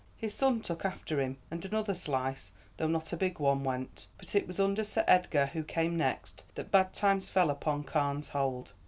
His son took after him, and another slice, though not a big one, went; but it was under Sir Edgar, who came next, that bad times fell upon Carne's Hold.